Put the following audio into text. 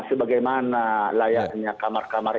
sebagaimana layaknya kamar kamar